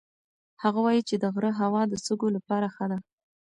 هغه وایي چې د غره هوا د سږو لپاره ښه ده.